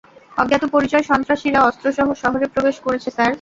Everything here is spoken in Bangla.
অজ্ঞাত পরিচয় সন্ত্রাসীরা অস্ত্রসহ শহরে প্রবেশ করেছে, স্যার।